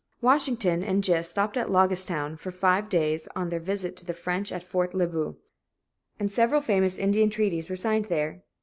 Washington and Gist stopped at "Loggestown" for five days on their visit to the French at Fort Le Boeuf, and several famous Indian treaties were signed there.